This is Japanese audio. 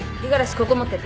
ここ持ってて。